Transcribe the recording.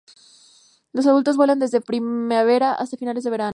Los adultos vuelan desde primavera hasta finales de verano.